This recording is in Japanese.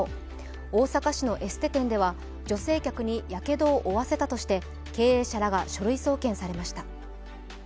大阪市のエステ店では女性客にやけどを負わせたとして経営者らが書類送検されました。